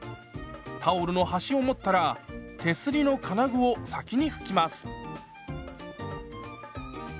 タオルの端を持ったら手すりの金具を先に拭きます。